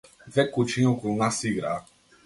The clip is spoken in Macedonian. Две кучиња околу нас играа.